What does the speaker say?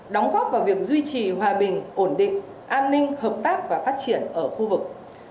đóng góp vào việc duy trì hòa bình ổn định an ninh hợp tác và phát triển ở khu vực